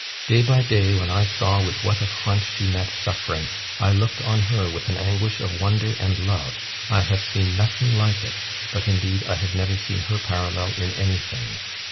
... Day by day, when I, saw with what a front she met suffering, I looked on her with an anguish of wonder and love: I have seen nothing like it; but, indeed, I have never seen her parallel in anything.